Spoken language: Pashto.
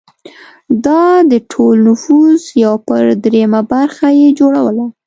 دا د ټول نفوس یو پر درېیمه برخه یې جوړوله